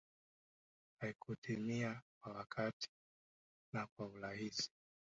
haikutimia kwa wakati na kwa urahisi